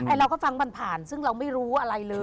เราก็ฟังผ่านซึ่งเราไม่รู้อะไรเลย